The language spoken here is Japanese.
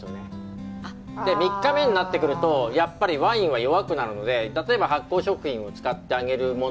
３日目になってくるとやっぱりワインは弱くなるので例えば発酵食品を使ってあげるもの